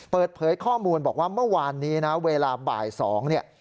เปิดเผยข้อมูลบอกว่าเมื่อวานนี้นะเวลาบ่าย๒เนี่ย